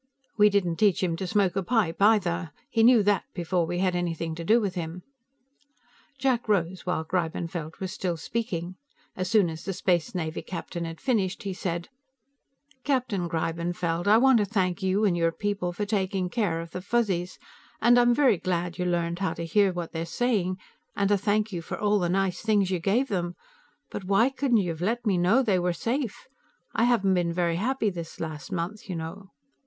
We didn't teach him to smoke a pipe either; he knew that before we had anything to do with him." Jack rose while Greibenfeld was still speaking. As soon as the Space Navy captain had finished, he said: "Captain Greibenfeld, I want to thank you and your people for taking care of the Fuzzies, and I'm very glad you learned how to hear what they're saying, and thank you for all the nice things you gave them, but why couldn't you have let me know they were safe? I haven't been very happy the last month, you know."